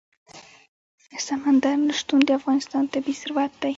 سمندر نه شتون د افغانستان طبعي ثروت دی.